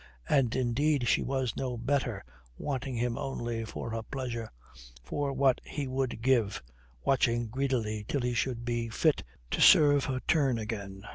And, indeed, she was no better, wanting him only for her pleasure, for what he would give, watching greedily till he should be fit to serve her turn again.